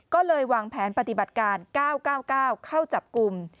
ก็เลยวางแผนปฏิบัติการ๙๙๙๙เข้าจับกลุ่ม